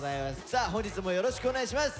さあ本日もよろしくお願いします。